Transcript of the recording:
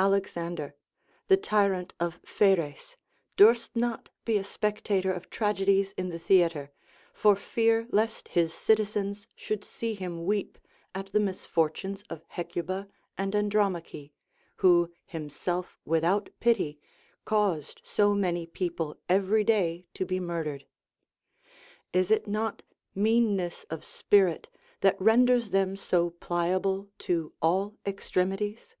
Alexander, the tyrant of Pheres, durst not be a spectator of tragedies in the theatre, for fear lest his citizens should see him weep at the misfortunes of Hecuba and Andromache, who himself without pity caused so many people every day to be murdered. Is it not meanness of spirit that renders them so pliable to all extremities?